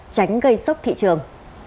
tránh gây sốc thị trường